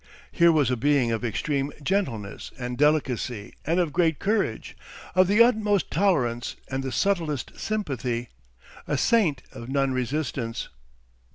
Here was a being of extreme gentleness and delicacy and of great courage, of the utmost tolerance and the subtlest sympathy, a saint of non resistance.